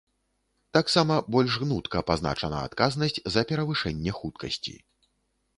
Таксама больш гнутка пазначана адказнасць за перавышэнне хуткасці.